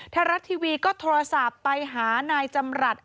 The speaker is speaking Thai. ไทยรัฐทีวีก็โทรศัพท์ไปหานายจำรัฐ